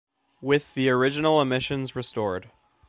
With the original omissions restored.